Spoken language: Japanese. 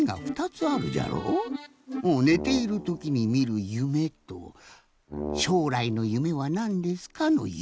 ねているときにみる夢と「しょうらいの夢はなんですか？」の夢。